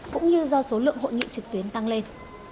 cũng như do số lượng hội nghị trực tuyến tăng lên